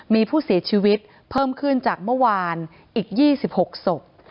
มีผู้เสียชีวิตเพิ่มขึ้นจากเมื่อวานอีก๒๖ศพ